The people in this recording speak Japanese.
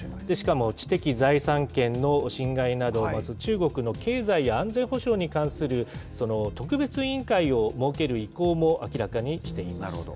しかも知的財産権の侵害など、中国の経済や安全保障に関する特別委員会を設ける意向も明らかにしています。